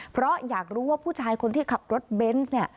เพราะอยากรู้ว่าผู้ชายคนที่ขับรถเบนส์เนี่ย